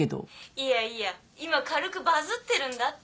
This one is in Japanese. いやいや今軽くバズってるんだって。